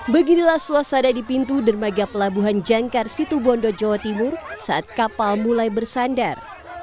beginilah suasana di pintu dermaga pelabuhan jangkar situbondo jawa timur saat kapal mulai bersandar